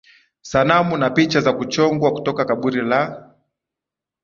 Sanamu na picha za kuchongwa kutoka Kaburi la